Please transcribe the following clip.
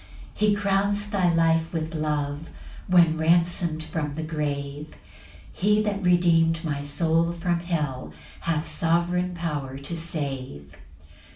4 He crowns thy life with love, When ransom'd from the grave; He that redeem'd my soul from hell Hath sovereign power to save.